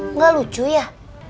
nggak lucu ya